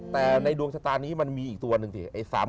แต่ในดวงชะตานี้มันมีอีกตัวหนึ่งสิ